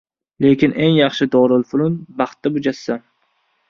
Lekin eng yaxshi dorilfunun baxtda mujassam.